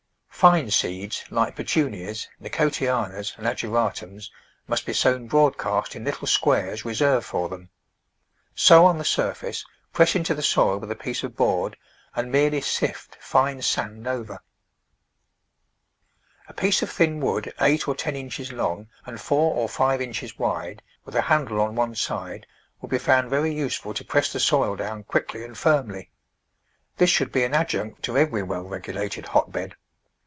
Fine seeds like Petunias, Nicotianas and Ageratums must be sown broadcast in little squares reserved for them. Sow on the surface, press into the soil with a piece of board and merely sift fine sand over. A piece of thin wood eight or ten inches long and four or five inches wide, with a handle on one side, will be found very useful to press the soil down quickly and firmly. This should be an adjunct to every well regulated hotbed.